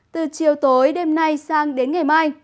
từ chiều tối đêm nay sang đến ngày mai